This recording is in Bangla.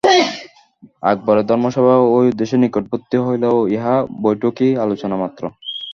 আকবরের ধর্মসভা ঐ উদ্দেশ্যের নিকটবর্তী হইলেও উহা বৈঠকী আলোচনা মাত্র।